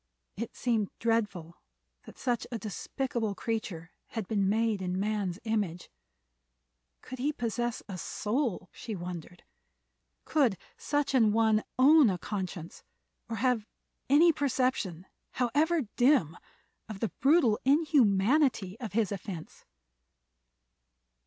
It seemed dreadful that such a despicable creature had been made in man's image. Could he possess a soul, she wondered? Could such an one own a conscience, or have any perception, however dim, of the brutal inhumanity of his offense?